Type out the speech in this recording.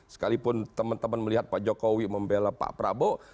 sekalipun teman teman melihat pak jokowi membela pak prabowo